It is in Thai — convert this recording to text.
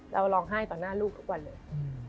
เราร้องไห้ต่อหน้าลูกทุกวันเลย